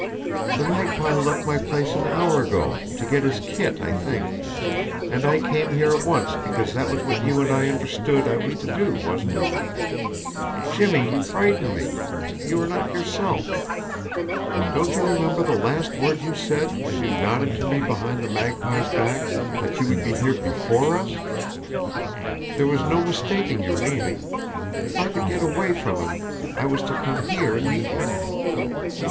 "The Magpie left my place an hour ago to get his kit, I think. And I came here at once because that was what you and I understood I was to do, wasn't it? Jimmie, you frighten me! You are not yourself. Don't you remember the last words you said, as you nodded to me behind the Magpie's back that you would be here BEFORE us? There was no mistaking your meaning if I could get away from him, I was to come here and meet you."